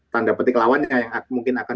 tanda petik lawannya yang mungkin akan